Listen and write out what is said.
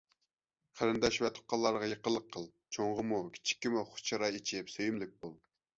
قېرىنداش ۋە تۇغقانلارغا يېقىنلىق قىل، چوڭغىمۇ كىچىككىمۇ خۇش چىراي ئېچىپ سۆيۈملۈك بول.